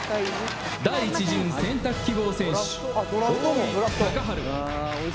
第１巡選択希望選手多井隆晴。